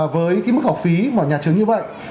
với cái mức học phí mà nhà trường như vậy